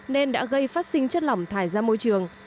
nên đã gây phát sinh chất lỏng thải ra môi trường